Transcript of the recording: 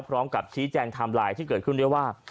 พร้อมกับชี้แจงไทม์ไลน์ที่เกิดขึ้นด้วยว่า